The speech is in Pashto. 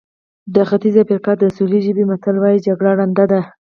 د ختیځې افریقا د سوهیلي ژبې متل وایي جګړه ړنده ده.